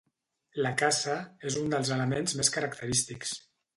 La caça és un dels elements més característics.